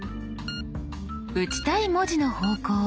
打ちたい文字の方向